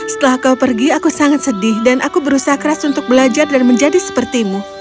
setelah kau pergi aku sangat sedih dan aku berusaha keras untuk belajar dan menjadi sepertimu